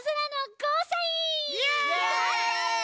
イエイ！